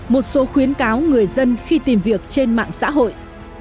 một số khuyến cáo người dân khi tìm việc trên mạng xã hội